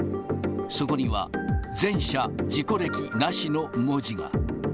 そこには、全車事故歴なしの文字が。